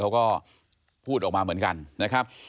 เขาก็พูดออกมาเหมือนกัน